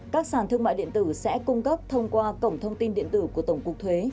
các sàn thương mại điện tử sẽ cung cấp thông qua cổng thông tin điện tử của tổng cục thuế